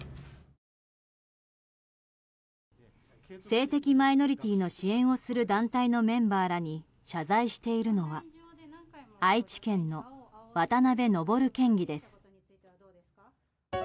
性的マイノリティーの支援をする団体のメンバーらに謝罪しているのは愛知県の渡辺昇県議です。